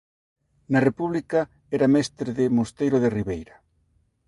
Na República era mestre de Mosteiro de Ribeira.